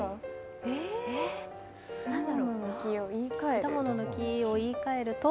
果物の木を言い換えると？